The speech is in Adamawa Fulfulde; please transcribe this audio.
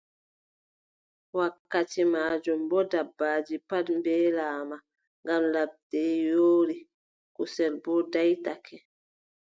Wakkati maajum boo, dabbaaji pat mbeelaama ngam ladde yoori, kusel boo daaytake.